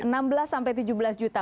enam belas sampai tujuh belas juta